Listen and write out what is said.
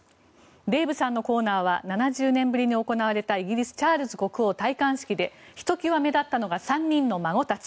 デーブさんさんのコーナーは７０年ぶりに行われたイギリスチャールズ国王の戴冠式でひときわ目立ったのが３人の孫たち。